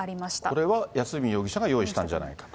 これは安栖容疑者が用意したんじゃないかと。